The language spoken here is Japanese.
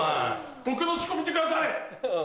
僕の四股見てください！